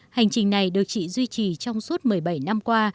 hành trình này được chị duy trì trong suốt một mươi bảy năm qua